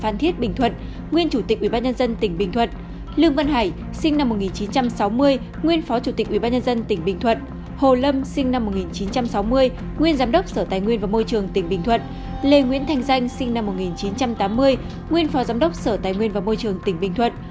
nguyễn thành danh sinh năm một nghìn chín trăm tám mươi nguyên phó giám đốc sở tài nguyên và môi trường tỉnh bình thuận